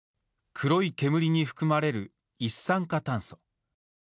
黒い煙に含まれる一酸化炭素。